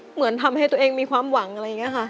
เหมือนทำให้ตัวเองมีความหวังอะไรอย่างนี้ค่ะ